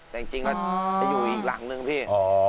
แต่จริงจะอยู่อีกหลังนึงพี่